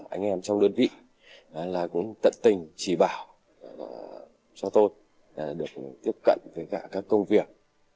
anh em trong đơn vị tận tình chỉ bảo cho tôi được tiếp cận với cả các công việc